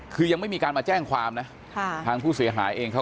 คือยังไม่มีการมาแจ้งความนะค่ะทางผู้เสียหายเองเขา